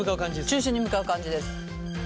中心に向かう感じです。